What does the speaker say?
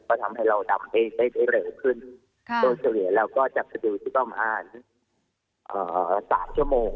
ก็ทำให้เราดำได้เร็วขึ้นโดรเฉลี่ยแล้วก็จากสะดุประมาณ๓ชั่วโมง